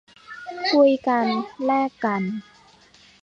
คุยกัน แลกกัน